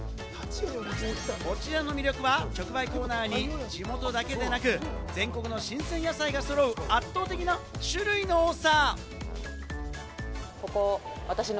こちらの魅力は特売コーナーに地元だけでなく、全国の新鮮野菜が揃う、圧倒的な種類の多さ。